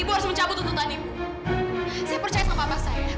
ibu harus mencabut untuk tanimu saya percaya sama papa saya